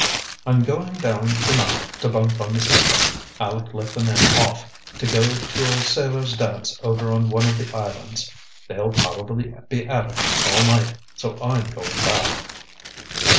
"I'm going down to night to bunk on the Sea Gull. Aleck let the men off, to go to a sailor's dance over on one of the islands. They'll probably be at it all night, so I'm going back."